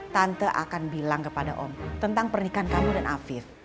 tante akan bilang kepada om tentang pernikahan kamu dan afif